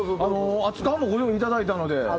熱燗もご用意いただいたので。